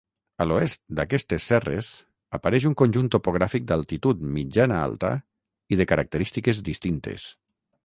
A l'oest d'aquestes serres apareix un conjunt topogràfic d'altitud mitjana-alta i de característiques distintes.